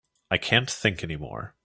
I can't think any more.